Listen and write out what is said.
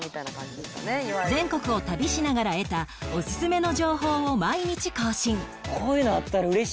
全国を旅しながら得たおすすめの情報を毎日更新